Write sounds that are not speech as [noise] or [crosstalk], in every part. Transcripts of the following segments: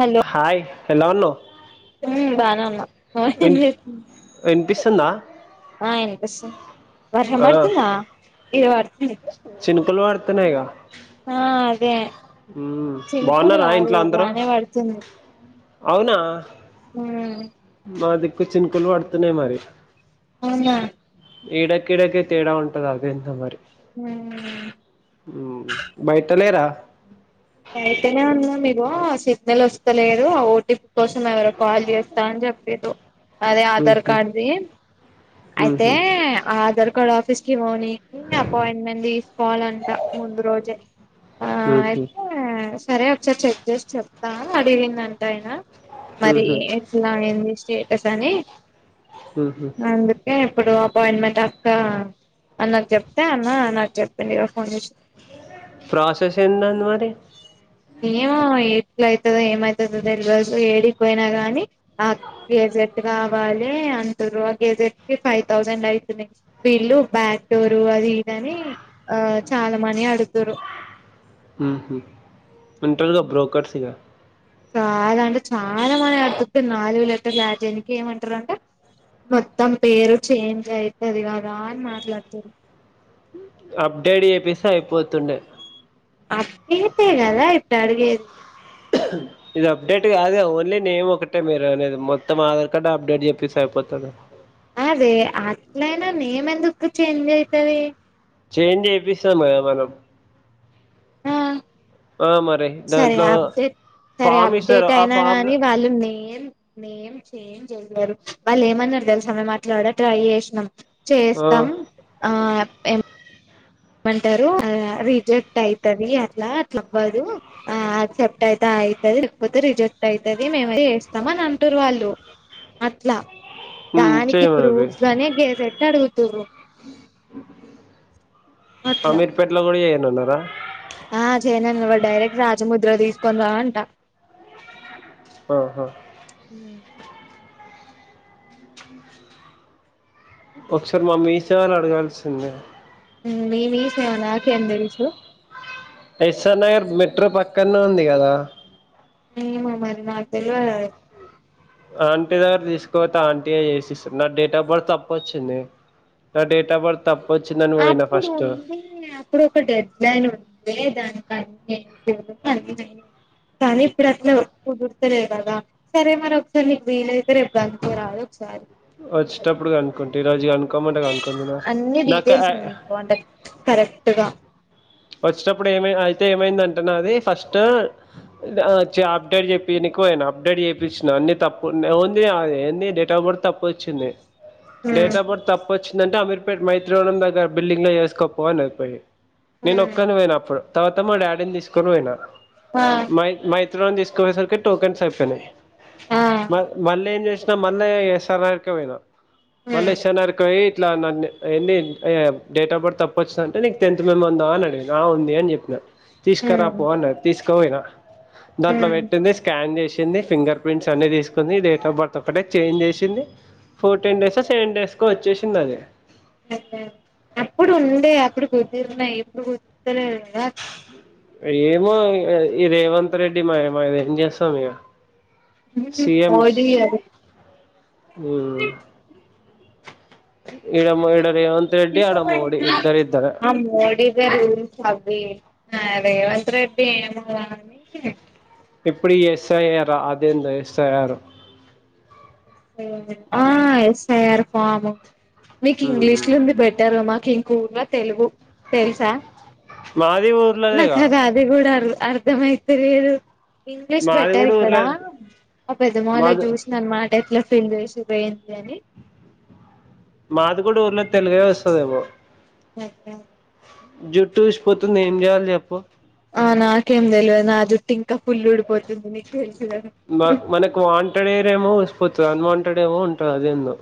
Hello hi ఎలా ఉన్నావు ఉం బానే ఉన్నాం విన్ [unintelligible] వినిపిస్తుందా ఆ వినిపిస్తుంది వర్షం పడుతుందా ఇది పడుతుంది. చిన్కులు పడుతున్నాయిగా ఆ అదే ఉం చినుకులు బాగున్నారా కాదు ఇంట్లో అందరుూ బానే పడుతుంది అవునా హ మా దగ్గర చినుకులు పడుతున్నాయి మరి అవునా ఈడక్కడక తేడా ఉంటది అద ఇంత మరి ఉ బయటలే రా బయటనే ఉన్న ఇగో సిగ్నల్ వస్తలేదు ఓటీపీ కోసం ఎవరు కాల్ చేస్తా అని చెప్పేరు అదే ఆధార్ మ్మ్హ్మ్. కార్డుది అయితే మ్మ్హ్మ్. ఆధార్ కార్డ్ ఆఫీస్ కి పొని అపాయింట్మెంట్ తీసుకోవాలంట ముందు రోజే ఉం అయితే ఆ సరే ఒకసారి చెక్ చేసి చెప్తాను అడిగిందింట ఆయన మరి మ్మ్హ్మ్. ఇలా ఎందుకు స్టేటస్ అని మ్మ్హ్మ్. అందుకు హే ఇప్పుడు అపాయింట్మెంట్ అక్క అది నాకు చెప్తే అన్న నాకు చెప్పండు ఇ ఫోన్ చేసి ప్రాసెస్ ఏందండి మరి శ ఏమో ఏట్ల అయితదో ఏమవుతదో తెలియదు గాని ఏడికి పోయినగాని గెజెట్ కావాలి అంటరు ఆ గెజెట్ కి ఫైవ్ థౌజండ్ అవుతుది. వీళ్ళు బ్యాక్డోర్ అది ఇదని ఆ చాలా మని అడుగుతారు. హుం ఇంటర్ల్గా బ్రోకర్ సిగా చాలా అంటే చాలా మాయాక్కి నాలుగు లెటర్ యాడ్ చేయడానికి ఏమంటారు అంటే మొత్తం పేరు చేంజ్ అయితది కదా అని మాట్లాడుతుారు అప్డేట్ చేపిస్తే అయిపోతుండే అప్డేట్ కే కదా ఇప్పుడు ఇట్టా అడిగేది అ ఇది అప్డేట్ కాదు కదా ద ఓన్లీ నేమ్ ఒకటే మీరు అనేది మొత్తం ఆధార్ కార్డు అప్డేట్ చెప్పేసి అయిపోతాది అదే అట్లైనా నేమ్ ఎందుకు చేంజ్ అయితది చేంజ్ చేపిస్తాం కదా మనం ఆ ఆ మరి సరే దాంట్లో అప్డేట్ సరే ఫామ్ ఇస్తారు అప్డేట్ ఆ అయినా ఫామ్ లో గాని వాళ్ళు నేమ్ నేమ్ చేంజ్ చేయారు వాళ్ళు ఏమన్నారు తెలుసా మేం అట్లకూడా ట్రై చేసినాం ఆ చేస్తాం ఆ ఏ మంటారు ఆ రిజెక్ట్ అయితది అట్లా అట్లా అవ్వదు ఆ చె తే అయితది లేకపోతే రిజెక్ట్ అయితది మేమే చేస్తాం అని అంటుర్రు వాళ్ళు అట్లా ఉమ్ దానికి చేయమనండి ప్రూఫ్ గేసెట్ అడుగుతుర్రు అట్లా అమీర్పేట్‌లో కూడా చెయ్యనన్నారా ఆ చేయనన్నాడు వాడు డైరెక్ట్ రాజముద్ర తీసుకొని రా అంట ఆహా ఉమ్మ్ ఒకసారి మా మీ సేవలో అడగాల్సింది ఉమ్మ్ మీ మీ సేవ నాకేం తెలుసు ఎస్ఆర్ నగర్ మెట్రో పక్కనే ఉంది కదా ఏమో మరి నాకు తెలువదు అది ఆంటీ దగ్గరకు తీసుకపోతే ఆంటీయే చేసిస్తాది నా డేట్ ఆఫ్ బర్త్ తప్పు వచ్చింది నా డేట్ ఆఫ్ బర్త్ తప్పు వచ్చిందని పోయిన అప్పుడు ఫస్ట్ ఉంది అప్పుడు ఒక డెడ్ లైన్ ఉంది దానికి అన్ని [unintelligible] కానీ ఇప్పుడు అట్లా కుదుర్తలే కదా సరే మరి ఒకసారి నీకు వీలైతే రేపు గనుక్కోరాదు ఒకసారి వచ్చేటప్పుడు కనుక్కుంటా ఈరోజు కనుకోమంటే కనుకుందునా నాకు బావుంటది కరెక్ట్‌గా వచ్చేటప్పుడు ఏమి అయితే ఏమైందంటే నాది ఫస్ట్ అచ్చి అప్డేట్ చేపియనీకి పోయిన అప్డేట్ చేపిచ్చిన అన్ని తప్పు ఉండే వొందినా అది ఏంది డేట్ ఆఫ్ బర్త్ తప్పు వచ్చింది హ్మ్ డేట్ ఆఫ్ బర్త్ తప్పు వచ్చిందంటే అమీర్పేట్ మైత్రివనం దగ్గర బిల్డింగ్‌లో చేసుకోపో అన్నది పోయి నేను హ్మ్ ఒక్కని పోయినా అప్పుడు తర్వాత మా డాడీని తీసుకొని పోయినా ఆ మై మై త్రివనం తీసుకుపోయేసరికి టోకెన్స్ అయిపోయినాయి ఆ మ మళ్ళీ ఏం చేసినా మళ్ళీ ఎస్ఆర్ నగర్‌కే పోయినా మళ్ళీ హ్మ్ ఎస్ఆర్ నగర్‌కి పోయి ఇట్లా నన్ని ఎన్ని ఎ డేట్ ఆఫ్ బర్త్ తప్పు వచ్చింది అంటే నీకు టెన్త్ మెమో ఉం దా అడిగింది ఆ ఉంది అని చెప్పిన తీసుకరా హ్మ్ పో అన్నది తీసుకో పోయినా దాంట్లో హ్మ్ పెట్టింది స్కాన్ చేసింది ఫింగర్ ప్రింట్స్ అన్ని తీసుకుంది డేట్ ఆఫ్ బర్త్ ఒకటే చేంజ్ చేసింది ఫోర్టీన్ డేసో సెవెన్ డేస్‌కో వచ్చేసింది అది అదే అప్పుడు ఉండే అప్పుడు కుదిరిన్నాయి ఇప్పుడు కుదురుతలేదు కదా ఏమో ఈ రేవంత్ రెడ్డి మహిమ ఏం చేస్తాం ఇగ సిఎంస్ మోడీ అది ఉమ్మ్ ఇడ మో ఇడ రేవంత్ రెడ్డి అడ మోడీ ఇద్దరు ఇద్దరే ఆ మోడీ అవే రూల్స్ అవి ఆ రేవంత్ రెడ్డి ఏమో గానీ ఇప్పుడు ఎస్ఐఆర్ అదేందో ఎస్ఐఆర్ ఆ ఎస్ఐఆర్ ఫాము మీకు ఇంగ్లీషులో ఉంది బెటర్ మాకు కూర తెలుగు తెలుసా మాది ఊర్లోనేగా నాకది అద్ అది కూడా అర్ అర్థమైతలేదు ఇంగ్లీష్ మాది బెటర్ కూడా ఇక్కడ, ఊర్లో మా పెద్ద మామల్ల మాది చూసిన అన్మాట ఇట్లా ఫీల్ చేసి వేయంది అని మాదిగూడ ఊర్లో తెలుగే వస్తదేమో [inaudible] జుట్టు ఉష్పోతుంది. ఏం చేయాలి చెప్పు. ఆ నాకేం తెల్వద్, నా జుట్టు ఇంకా ఫుల్ ఊడిపోతుంది నీకు తెలుసు కదా. మ మనకు వాంటెడ్ హెయిర్ ఏమో ఊసిపోతది, అన్వాంటెడ్ ఏమో ఉంటది అదేందో.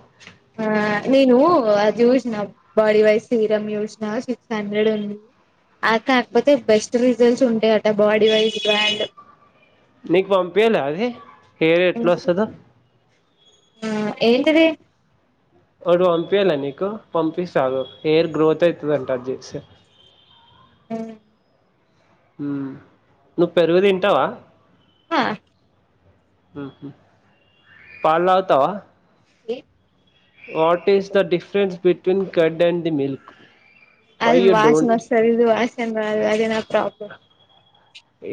ఆ నేను అద్ జూసిన బాడీ వైజ్ సీరమ్ చూసిన సిక్స్ హండ్రెడ్ ఉంది. అ కాక్పోతే బెస్ట్ రిజల్ట్స్ ఉంటాయట బాడీ వైజ్ బ్రాండ్ నీక్ పంపియల అది? హెయిర్ ఎట్లా వస్తదో ఆ ఏంటది? ఒకటి పంపయాల నీకు? పంపిస్తా ఆగు, హెయిర్ గ్రోత్ అయితదంట అద్ చేసే. ఉ ఉ నువ్ పెరుగు తింటవా? ఆ ఉ పాల్ తాగ్తవ? The what is the difference between curd and the milk? అది వాసన వస్తది, ఇది వాసన రాదు అదే నా problem.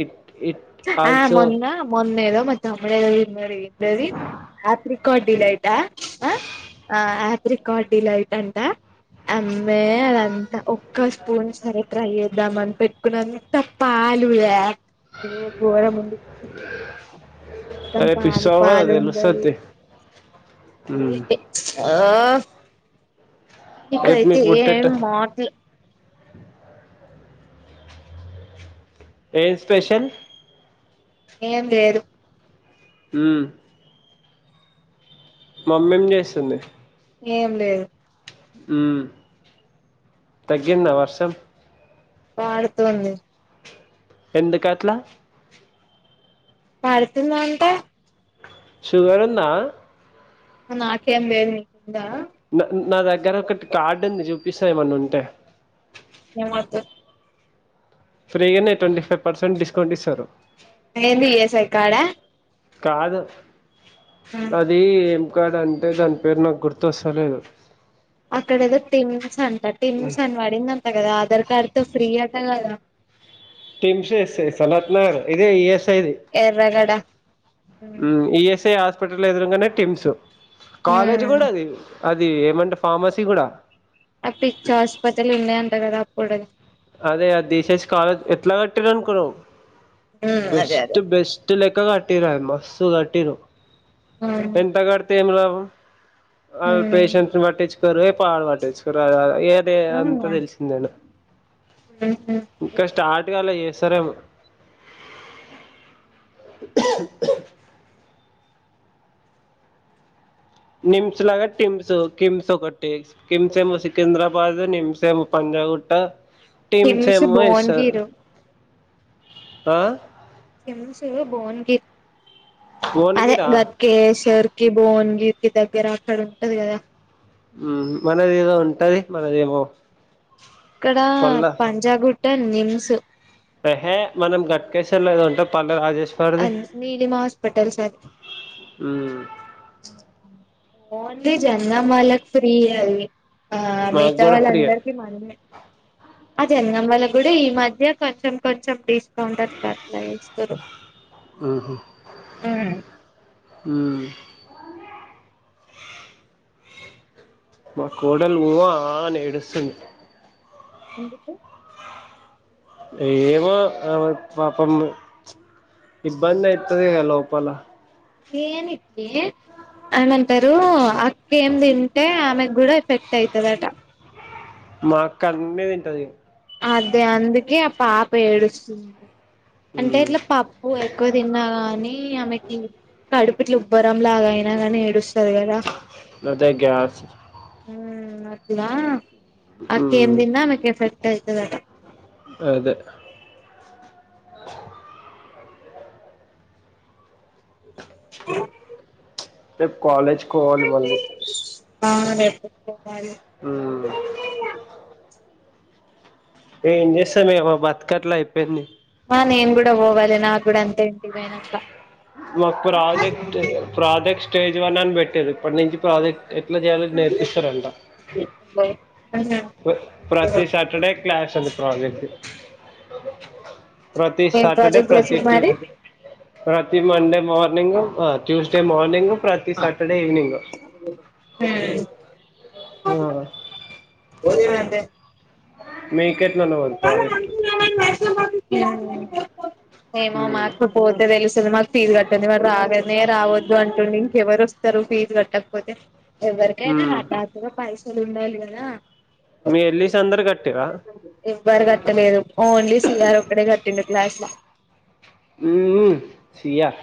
It it ah also మొన్న మొన్నెదో మా తమ్ముడేదో తిన్నాడు, ఏంటది ఆప్రికాడ్ డిలైట్ ఆ ఆ? ఆ ఆప్రికాడ్ డిలైట్ అంట అమ్మే అదంతా ఒక్క స్పూన్ సరే ట్రై చేద్దాం అని పెట్టుకున్నను త పాలు యాక్ ఉ గోరముంది రేపిసవ్ కదా తెలుసద్ తి ఈ ఏ ఆ రేపు ఇకైతే మీకు ఏం పుట్టేట మాట్లు ఏ స్పెషల? ఏం లేదు ఉ మమ్మేం చేస్తుంది? ఏం లేదు ఉ తగ్గిందా వర్షం? పాడుతుంది ఎందుకాట్ల పడుకున్న అంతే షుగర్ ఉందా? నాకేం లేద్ నీకుందా? న నా దగ్గర ఒకటి కార్డు ఉంది చూపిస ఏమన్నా ఉంటే మీ మర్దలు ఫ్రీగనే ట్వంటీ ఫైవ్ పర్సెంట్ డిస్కౌంట్ ఇస్తరు అ ఏంది ఈ. ఎస్. ఐ కాడా కాదు అది ఏం కాడా అంటే దాని పేరు నాకు గుర్తొస్తలేదు అక్కడదో టిమ్స్ అంట టిమ్స్ అని పడిందంట కదా ఆధార్ కార్డ్తో ఫ్రీ అట గదా టిమ్స ఎస్ఐ సనత్నగర్ ఇది ఈఎస్ఐది ఎర్రగడ ఉ ఈఎస్ఐ హాస్పిటల్ ఎదురుంగనే టిమ్స్ కాలేజ్ ఉమ్ కూడా అది అది ఏమంటే ఫార్మసీ కూడా అప్పుడు పిచ్చి ఆసుపత్రులు ఉన్నాయంట కదా అప్పుడు అదే అ తీసేసి కాలీజిల ఎట్లా కట్టిరనుకున్నవు ఉమ్ అదే బెస్ట్ అదే బెస్ట్ టు లెక్క కట్టిర్రు మస్స్తు కట్టిర్రు ఆ ఎంత కడితే ఏం లాభం ఆళ్ళు పేషెన్స్ పట్టించు చరువే పాడుపడ్డది సో రాయ ఏదే అంతా తెలిసిందేలే ఉ ఇంకా స్టార్ట్గాలే చేస్తరేమ నిమ్స్లాగా టిమ్స్ కిమ్స్ ఒకటె కంసేమో సికింద్రాబాద్ నిమ్సేమో పంజాగుట్ట కిమ్స్ నిమ్సేమో యస్ ర్ భువన్గిరు ఆ టిమ్సె భున్గిరి అదే ఓన్గిరా గ కేసర్కి భువనగిరి దగ్గర అక్కడ ఉంటది కదా మనది ఏదో ఉంటది మనదేమో ఇక్కడ పల్ల పంజాగుట్ట నిమ్స్ యేహే మనం గట్కేసర్లో ఉంటాం పండగ అ నీలిమా హాస్పిటల్స్ సర్ ఉమ్ ఉహు ఓన్లీ జనగాంవాళ్ళకి ఫ్రీ అది ఆ మాకు మిగితా కూడా వాళ్ళ ఫ్రీయే అందరి కి మనీ అ జనగాం వాళ్ళకూడా ఈ మధ్య కొంచెం కొంచెం తీ కౌంటర్ బ్యాక్లా ఇస్తారు హుమ్ మా కోడలు మూవా అని ఏడుస్తుంది ఎందుకు ఏమో ఆమెకు పాపము ఇబ్బంది అయితదిగ లోపల దేనికే అయన అంటరు అక్క ఏం తింటే ఆమెకు గూడా ఎఫెక్ట్ అయ్యితదట మా అక్క అని తింటది అదే అందుకే ఆ పాప ఏడుస్తుంది అంటే హ్మ్ ఇట్ల పప్పు ఎక్కువ తిన్నాగాని ఆమెకి కడుపు ఇట్ల ఉబ్బరంలాగా అయినా గానీ ఏడుస్తది కదా అదే గ్యాస్ హా అట్లా అక్క ఏం హ్మ్ తిన్న ఆమెకు ఎఫెక్ట్ అయితదట అదే రేపు కాలేజ్కి పోవాలి మళ్ళీ ఆ రేపు పోవాలి మ్మ్ ఏం చేస్తామే బతుకట్లా అయిపోయింది ఆ నేను కూడా పోవాలి నా కూడ అంతే ఇంటికి పోయినాక మాకు ప్రాజెక్ట్ ప్రాజెక్ట్ స్టేజ్ వన్ అని పెట్టీరు ఇప్పటి నుంచి ప్రాజెక్ట్ ఎట్లా చేయాలో నేర్పిస్తారంట [inaudible] ప్రతి సాటర్డే క్లాస్ అంది ప్రాజెక్ట్ ప్రతి ఏం సాటర్డే ప్రాజెక్ట్ ప్రతి చేసిర్రు మరి ట్యూస్ ప్రతి మండే మార్నింగ్ ట్యూస్డే మార్నింగ్ ప్రతి సాటర్డే ఈవెనింగ్ మ్ ఆ అంటే మీకెట్లనో ఏమో మాకు పోతే తెలుస్తది మాకు ఫీజు కట్టందె వాడు రానే రావద్దు అంటుటే ఇంకెవరు వస్తారు ఫీజు కట్టకపోతే ఎవ్వరికైనా హఠాత్తుగా పైసలు ఉండాలి కదా మీ ఎలిస్ అందరూ కట్టిరా ఎవ్వరు కట్టలేదు ఓన్లీ సిఆర్ ఒక్కడే కట్టటిండు క్లాస్లా హ్మ్మ్ సియార్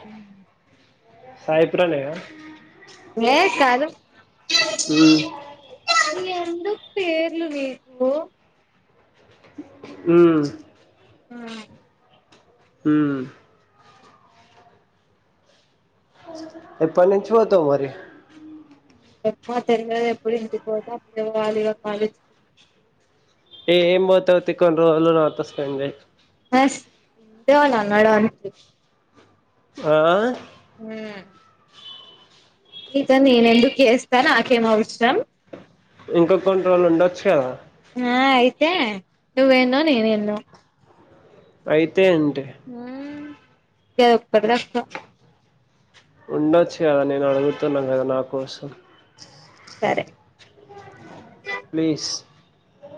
సాయి ప్రణయ్ ఆ ఏ కాదు ఎందుకు పేర్లు నీకు ఉమ్ ఆ హుమ్ ఏప్పనుంచి పోతావ్ మరి ఏమ్మో తెలియదు ఎప్పుడు ఇంటి పోతే అవాలిగా కాలే ఏం ఏం పోతావుతి కొన్ని రోజులు నాతో స్పెండ్ చెయ్ ఆ డోలనే డాలి ఆ ఉ ఇక నేను ఎందుకు చేస్తా నాకేం అవసరం ఇంకా కొన్ని రోజులు ఉండొచ్చు కదా ఆ అయితే నువ్వేందో నేనేందో అయితే ఏంటి గాదొక్కటి తక్కువ ఉండొచ్చు కదా నేను అడుగుతున్నాను కదా నా కోసం సరే ప్లీజ్